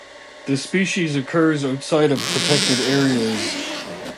The species occurs outside of protected areas.